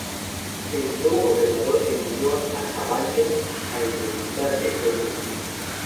El nuevo gobernador envió a Zavalía a entrevistarse con Urquiza.